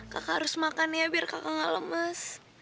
kakak harus makan ya biar kakak nggak lemes